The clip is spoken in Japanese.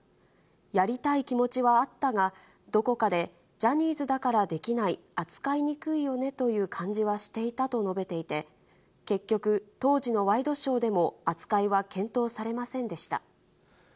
やりたい気持ちはあったが、どこかでジャニーズだからできない、扱いにくいよねという感じはしていたと述べていて、結局、当時のワイドショーでも扱いは検討されませんでした。